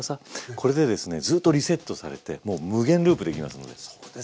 これでですねずっとリセットされてもう無限ループできますので。